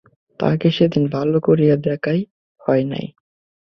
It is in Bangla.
তাহাকে সেদিন ভালো করিয়া দেখাই হয় নাই।